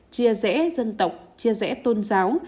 chia rẽ dân tộc chia rẽ tôn giáo